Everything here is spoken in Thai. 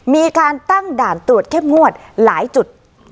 มีการตั้งด่านตรวจเข้มงวดหลายจุด